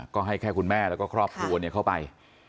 ก็ให้แค่คุณแม่แล้วก็ครอบครัวเข้าไป